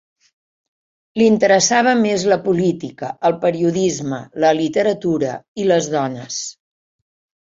L'interessava més la política, el periodisme, la literatura i les dones.